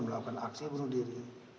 melakukan aksi bunuh diri